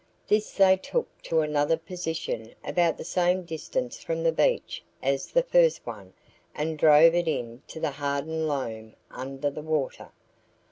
This they took to another position about the same distance from the beach as the first one and drove it into the hardened loam under the water.